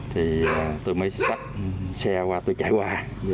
thì tôi mới xách xe qua tôi chạy qua